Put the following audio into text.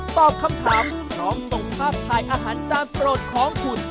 ตอบคำถามพร้อมส่งภาพถ่ายอาหารจานโปรดของคุณ